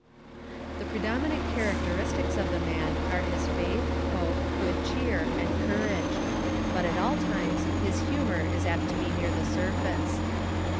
The predominant characteristics of the man are his faith, hope, good cheer and courage. But at all times his humor is apt to be near the surface.